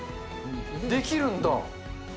できるんだ。